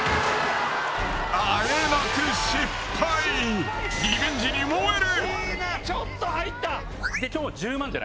・あえなくリベンジに燃える！